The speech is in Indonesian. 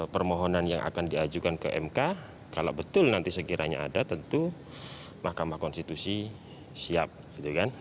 permohonan yang akan diajukan ke mk kalau betul nanti sekiranya ada tentu mahkamah konstitusi siap gitu kan